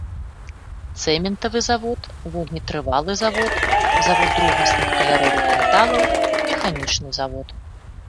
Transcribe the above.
Цэментавы завод, вогнетрывалы завод, завод другасных каляровых металаў, механічны завод.